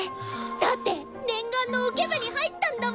だって念願のオケ部に入ったんだもん。